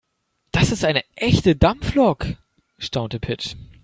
"Das ist eine echte Dampflok", staunte Pit.